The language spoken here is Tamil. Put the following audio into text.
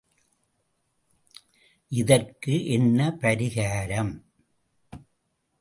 இதற்கு என்ன பரிகாரம்?